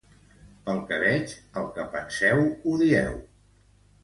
Pel que veig, el que penseu ho dieu.